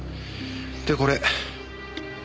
でこれ。